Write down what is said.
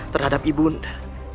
terhadap ibu nda